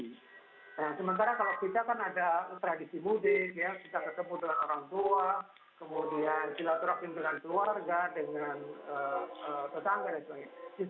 nah sementara kalau kita kan ada tradisi mudik kita ketemu dengan orang tua kemudian silaturahim dengan keluarga dengan tetangga dan sebagainya